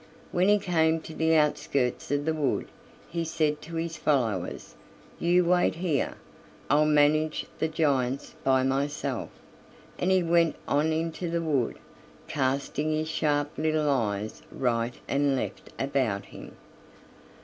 When he came to the outskirts of the wood he said to his followers: "You wait here, I'll manage the giants by myself"; and he went on into the wood, casting his sharp little eyes right and left about him.